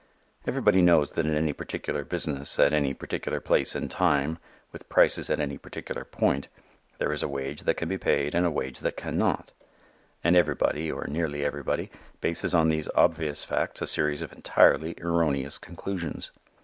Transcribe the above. Everybody knows that in any particular business at any particular place and time with prices at any particular point, there is a wage that can be paid and a wage that can not. And everybody, or nearly everybody, bases on these obvious facts a series of entirely erroneous conclusions.